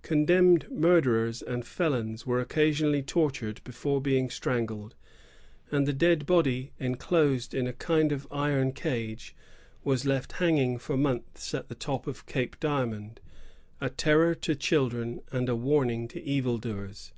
Condemned mur derers and felons were occasionally tortured before being strangled; and the dead body, enclosed in a kind of iron cage, was left hanging for months at the top of Cape Diamond, a terror to children and a warning to evil doers.